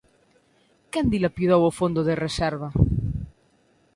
¿Quen dilapidou o Fondo de Reserva?